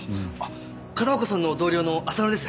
片岡さんの同僚の浅野です。